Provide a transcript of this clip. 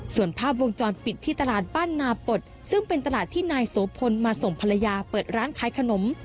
ส่วนภาพวงจรปิดที่ตลาดบ้านนาปดซึ่งเป็นตลาดที่นายโสพลมาส่งภรรยาเปิดร้านขายขนม